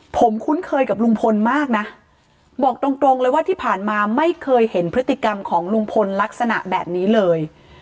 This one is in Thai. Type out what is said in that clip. ผมคุ้นเคยกับลุงพลมากนะบอกตรงตรงเลยว่าที่ผ่านมาไม่เคยเห็นพฤติกรรมของลุงพลลักษณะแบบนี้เลย